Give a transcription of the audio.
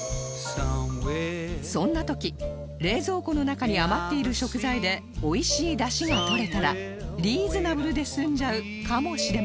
そんな時冷蔵庫の中に余っている食材で美味しいダシがとれたらリーズナブルで済んじゃうかもしれません